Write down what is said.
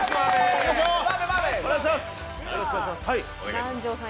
南條さん